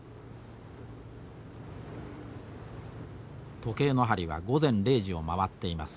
時計の針は午前零時を回っています。